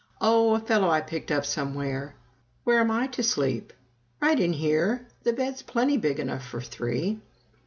"Oh, a fellow I picked up somewhere." "Where am I to sleep?" "Right in here the bed's plenty big enough for three!"